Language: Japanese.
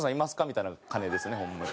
みたいな感じですねホンマに。